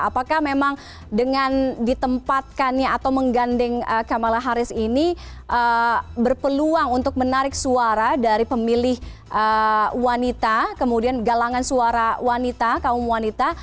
apakah memang dengan ditempatkannya atau menggandeng kamala harris ini berpeluang untuk menarik suara dari pemilih wanita kemudian galangan suara wanita kaum wanita